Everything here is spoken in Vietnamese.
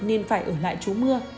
nên phải ở lại trú mưa